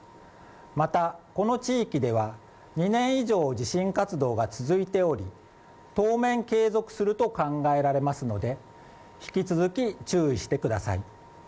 また、この地域では２年以上地震活動が続いており当面継続すると考えられますので、引き続き注意してください。